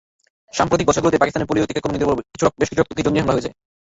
সাম্প্রতিক বছরগুলোতে পাকিস্তানে পোলিও টিকা-কর্মীদের ওপর বেশ কিছু রক্তক্ষয়ী জঙ্গি হামলা হয়েছে।